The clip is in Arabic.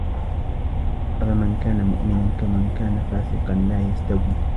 أَفَمَن كانَ مُؤمِنًا كَمَن كانَ فاسِقًا لا يَستَوونَ